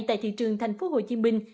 tại thị trường thành phố hồ chí minh